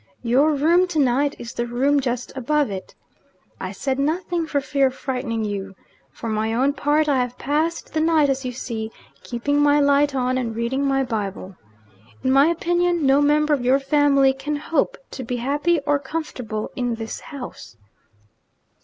Your room tonight is the room just above it. I said nothing for fear of frightening you. For my own part, I have passed the night as you see, keeping my light on, and reading my Bible. In my opinion, no member of your family can hope to be happy or comfortable in this house.'